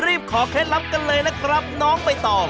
รีบขอแคระรับกันเลยนะครับน้องไปต่อ